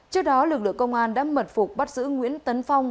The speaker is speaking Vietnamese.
trước đó lực lượng công an đã mật phục bắt giữ nguyễn tấn phong